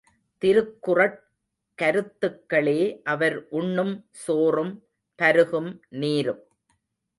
திருக்குறட் கருத்துக்களே அவர் உண்ணும் சோறும், பருகும் நீரும்.